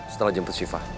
setelah jemput syifa